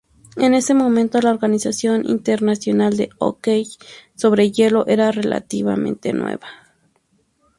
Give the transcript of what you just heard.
En ese momento la organización internacional del hockey sobre hielo era relativamente nueva.